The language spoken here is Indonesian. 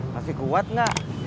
masih kuat gak